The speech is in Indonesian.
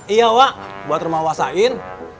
iya wa buat rumah wa sain